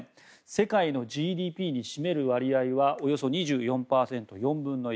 世界のＧＤＰに占める割合はおよそ２４％、４分の１。